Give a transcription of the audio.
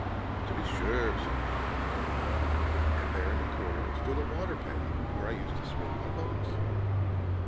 "'To be sure,' said he. 'And there in the corner stood a waterpail, where I used to swim my boats.'